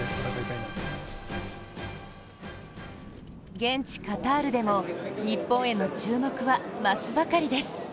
現地カタールでも日本への注目は増すばかりです。